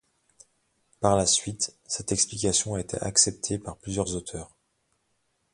Par la suite cette explication a été acceptée par plusieurs auteurs.